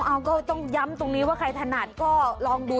เอาก็ต้องย้ำตรงนี้ว่าใครถนัดก็ลองดู